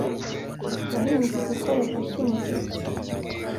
yahimbye igikoresho cyumuziki